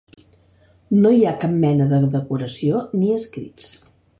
No hi ha cap mena de decoració ni escrits.